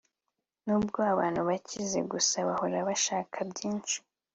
Nubwo abantu bakize gute bahora bashaka byinshi